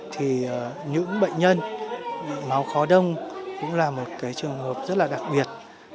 thì những bệnh nhân máu khó đông cũng là một trường hợp rất là đặc biệt